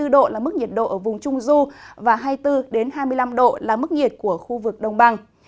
hai mươi ba hai mươi bốn độ là mức nhiệt độ ở vùng trung du và hai mươi bốn hai mươi năm độ là mức nhiệt của khu vực đông bằng